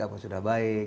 apa yang sudah baik